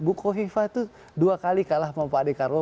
buko viva itu dua kali kalah sama pak adekarwo